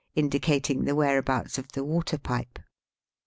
indicating the whereabouts of the water pipe.